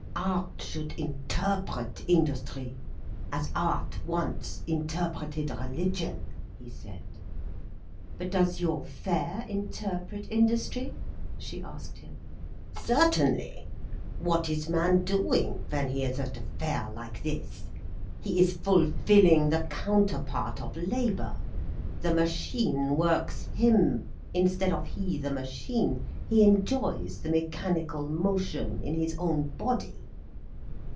"Art should interpret industry, as art once interpreted religion," he said. "But does your fair interpret industry?" she asked him. "Certainly. What is man doing, when he is at a fair like this? He is fulfilling the counterpart of labour—the machine works him, instead of he the machine. He enjoys the mechanical motion, in his own body."